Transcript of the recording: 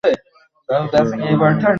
সরণ্যা নামের এক মেয়ে রাইডে যেতে চায়ছে, স্যার।